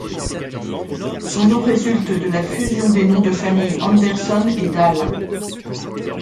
Son nom résulte de la fusion des noms de famille Anderson et Dale.